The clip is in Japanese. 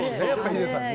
ヒデさんは。